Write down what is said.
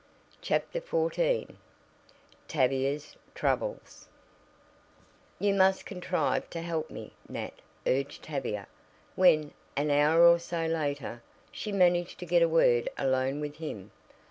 CHAPTER XIV TAVIA'S TROUBLES "You must contrive to help me, Nat," urged Tavia, when, an hour or so later, she managed to get a word alone with him.